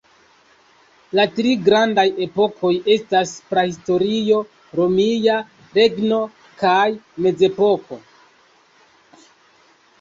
La tri grandaj epokoj estas Prahistorio, Romia Regno kaj Mezepoko.